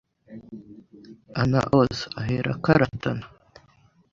Ana ose aherako arataha